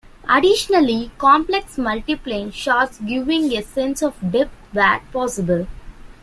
Additionally, complex multiplane shots giving a sense of depth were possible.